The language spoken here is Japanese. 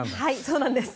そうなんです。